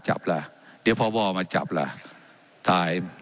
เจ้าหน้าที่ของรัฐมันก็เป็นผู้ใต้มิชชาท่านนมตรี